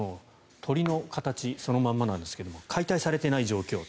鳥の形そのままなんですが解体されていない状況。